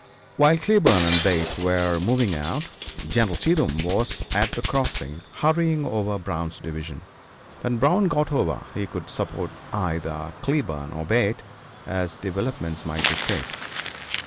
While Cleburne and Bate were moving out, General Cheatham was at the crossing hurrying over Brown's division. When Brown got over he could support either Cleburne or Bate, as developments might dictate.